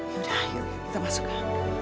yaudah yuk kita masukkan